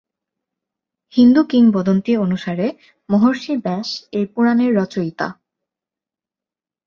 হিন্দু কিংবদন্তি অনুসারে মহর্ষি ব্যাস এই পুরাণের রচয়িতা।